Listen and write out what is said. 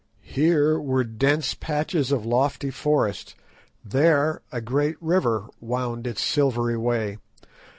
Here were dense patches of lofty forest, there a great river wound its silvery way.